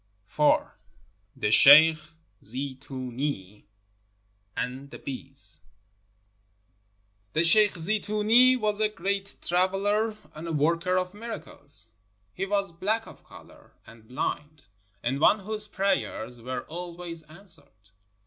IV. THE SHEIKH ZEETOONEE AND THE BEES The sheikh Zeetoonee was a great traveler and a worker of miracles. He was black of color and bHnd, and one whose prayers were always answered.